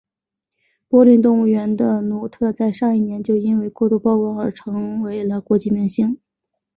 柏林动物园的努特在上一年就因为过度曝光而成为了国际明星。